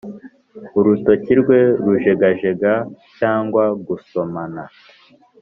urutoki rwe rujegajega, cyangwa gusomana